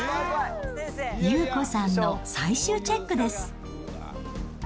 祐子さんの最終チェックです。